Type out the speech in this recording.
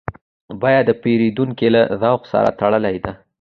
بیه د پیرودونکي له ذوق سره تړلې ده.